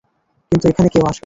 কিন্তু এখানে কেউ আসবে না।